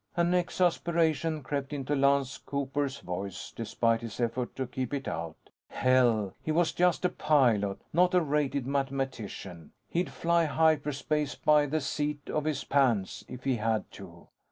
An exasperation crept into Lance Cooper's voice, despite his effort to keep it out. Hell, he was just a pilot; not a rated mathematician. He'd fly hyperspace by the seat of his pants, if he had to.